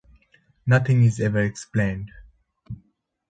Nothing is ever explained.